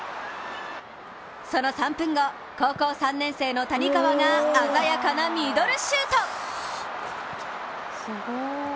その３分後、高校３年生の谷川が鮮やかなミドルシュート！